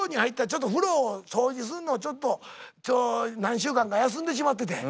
ちょっと風呂掃除すんのちょっと何週間か休んでしまっててん。